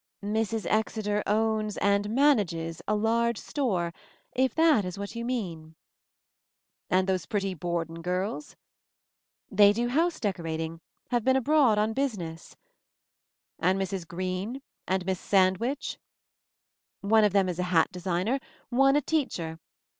"Mrs. Exeter owns — and manages — a large store, if that is what you mean." "And those pretty Borden girls?" "They do house decorating — have been abroad on business." "And Mrs. Green — and Miss Sandwich?" "One of them is a hat designer, one a teacher.